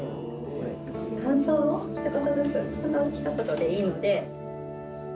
感想をひと言ずつほんのひと言でいいので。